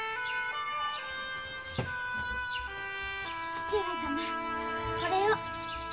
義父上様これを。